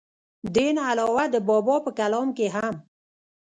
دې نه علاوه د بابا پۀ کلام کښې هم